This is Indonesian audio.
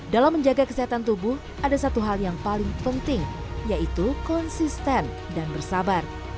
dalam menjaga kesehatan tubuh ada satu hal yang paling penting yaitu konsisten dan bersabar